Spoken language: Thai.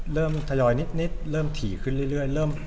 ทยอยนิดเริ่มถี่ขึ้นเรื่อย